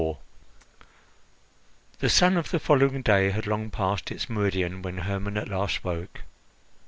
The sun of the following day had long passed its meridian when Hermon at last woke.